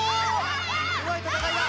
すごい戦いだ！